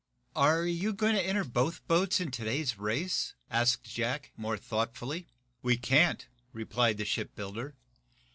"Are you going to enter both boats in to day's race?" asked Jack, more thoughtfully. "We can't," replied the shipbuilder.